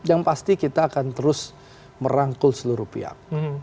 yang pasti kita akan terus merangkul seluruh pihak